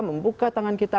membuka tangan kita